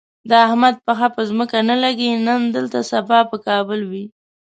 د احمد پښه په ځمکه نه لږي، نن دلته سبا په کابل وي.